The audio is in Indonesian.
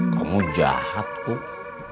kamu jahat kum